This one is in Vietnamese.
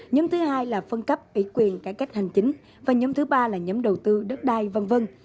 nhóm thứ hai là phân cấp ủy quyền cải cách hành chính và nhóm thứ ba là nhóm đầu tư đất đai v v